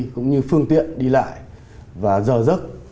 cũng như phương tiện đi lại và giờ giấc